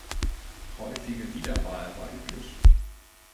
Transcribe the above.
Häufige Wiederwahl war üblich.